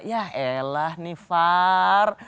ya ellah nih far